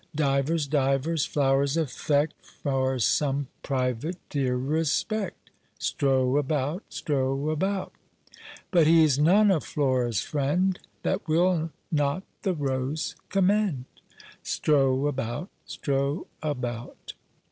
Divers, divers flowers affect For some private dear respect; Strow about! strow about! But he's none of Flora's friend That will not the rose commend; Strow about! strow about!